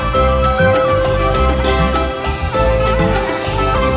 โชว์สี่ภาคจากอัลคาซ่าครับ